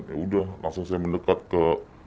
ya udah langsung saya mendekat ke